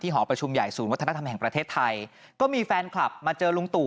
หอประชุมใหญ่ศูนย์วัฒนธรรมแห่งประเทศไทยก็มีแฟนคลับมาเจอลุงตู่